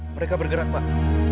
mereka bergerak pak